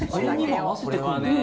これはねぇ。